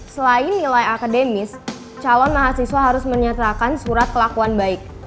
selain nilai akademis calon mahasiswa harus menyerahkan surat kelakuan baik